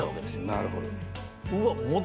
なるほど。